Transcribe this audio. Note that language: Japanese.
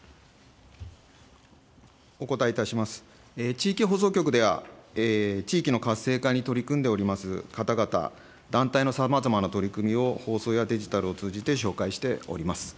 地域放送局では、地域の活性化に取り組んでおります方々、団体のさまざまな取り組みを、放送やデジタルを通じて紹介しております。